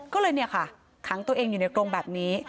ก็เลยเนี่ยค่ะขังตัวเองอยู่ในกรงแบบนี้